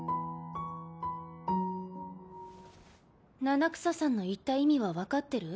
七草さんの言った意味は分かってる？